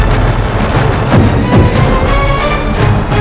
aku sudah berhenti